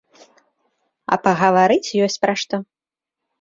А пагаварыць ёсць пра што.